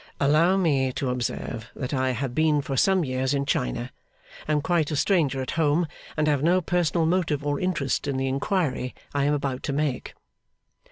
'Allow me to observe that I have been for some years in China, am quite a stranger at home, and have no personal motive or interest in the inquiry I am about to make.